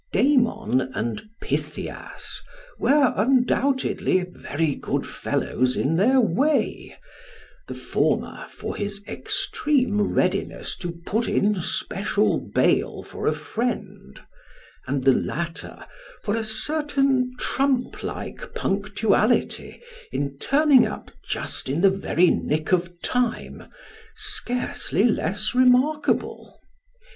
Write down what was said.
DAMON and Pythias were undoubtedly very good fellows in their way : the former for his extreme readiness to put in special bail for a friend : and the latter for a certain trump like punctuality in turning up just in the very nick of time, scarcely less remarkable.